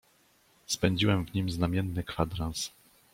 "Spędziłem w nim znamienny kwadrans."